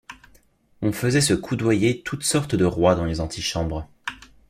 On faisait se coudoyer toutes sortes de rois dans les antichambres.